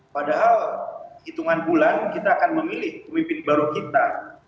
padahal hitungan bulan kita akan memilih pemimpin baru kita